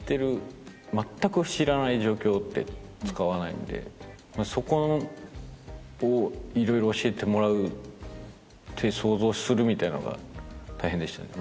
まったく知らない状況って使わないんでそこを色々教えてもらうって想像するみたいなのが大変でしたね